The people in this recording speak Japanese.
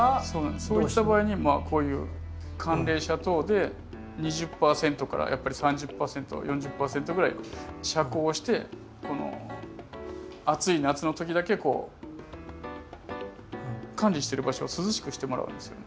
そういった場合にこういう寒冷紗等で２０％から３０％４０％ぐらい遮光をしてこの暑い夏の時だけこう管理してる場所を涼しくしてもらうんですよね。